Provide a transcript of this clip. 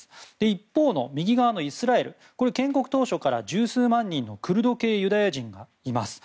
一方のイスラエル建国当初から十数万人のクルド系ユダヤ人がいます。